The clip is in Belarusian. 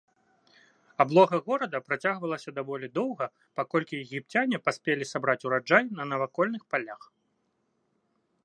Аблога горада працягвалася даволі доўга, паколькі егіпцяне паспелі сабраць ураджай на навакольных палях.